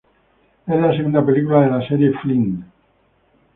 Es la segunda película de la serie "Flint".